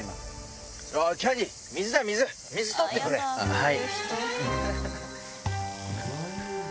はい。